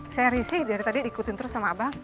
saya risih dari tadi diikutin terus sama abang